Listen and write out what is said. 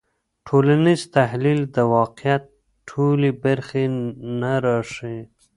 ټولنیز تحلیل د واقعیت ټولې برخې نه راښيي.